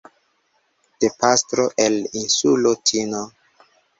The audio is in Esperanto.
de pastro, el insulo Tino.